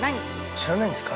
知らないんですか？